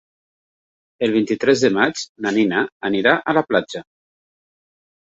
El vint-i-tres de maig na Nina anirà a la platja.